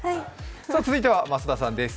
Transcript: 続いては増田さんです。